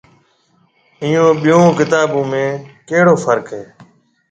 ائيون ٻيون ڪتابون ۾ ڪيهڙو فرق هيَ۔